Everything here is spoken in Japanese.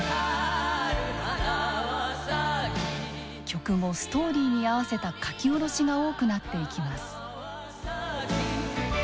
曲もストーリーに合わせた書き下ろしが多くなっていきます。